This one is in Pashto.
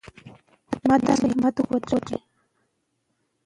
د زړونو ناروغۍ د کینې له امله رامنځته کیږي.